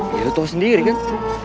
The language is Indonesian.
ya lu tau sendiri kan